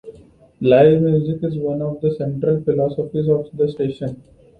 Live music is one of the central philosophies of the station.